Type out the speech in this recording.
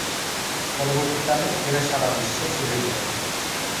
পরবর্তীকালে এরা সারা বিশ্বে ছড়িয়ে পড়ে।